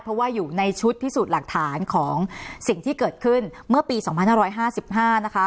เพราะว่าอยู่ในชุดพิสูจน์หลักฐานของสิ่งที่เกิดขึ้นเมื่อปีสองพันห้าร้อยห้าสิบห้านะคะ